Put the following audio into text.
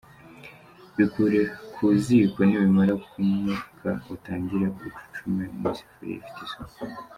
Bikure ku ziko nibimara kumuka utangire ucucume mu isafuriya ifite isuku.